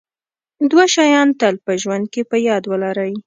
دوه شیان تل په ژوند کې په یاد ولرئ.